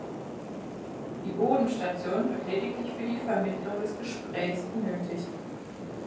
Die Bodenstation wird lediglich für die Vermittlung des Gesprächs benötigt.